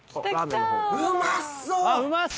うまそう！